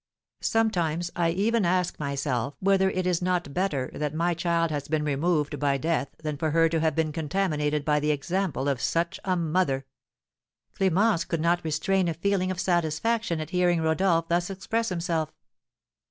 Sometimes I even ask myself whether it is not better that my child has been removed by death than for her to have been contaminated by the example of such a mother." Clémence could not restrain a feeling of satisfaction at hearing Rodolph thus express himself.